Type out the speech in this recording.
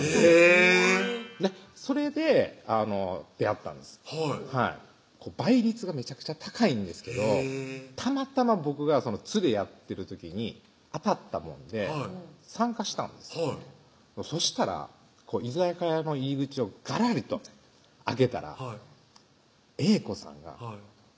へぇそれで出会ったんです倍率がめちゃくちゃ高いんですけどたまたま僕が津でやってる時に当たったもんで参加したんですはいそしたら居酒屋の入り口をガラリと開けたら英子さんが男のひざの上に乗って